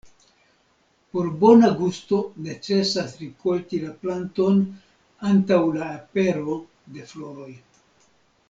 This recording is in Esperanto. Por bona gusto necesas rikolti la planton antaŭ la apero de floroj.